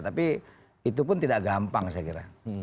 tapi itu pun tidak gampang saya kira